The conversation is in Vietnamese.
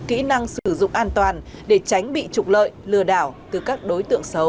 kỹ năng sử dụng an toàn để tránh bị trục lợi lừa đảo từ các đối tượng xấu